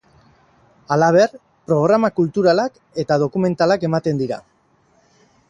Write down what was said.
Halaber, programa kulturalak eta dokumentalak ematen dira.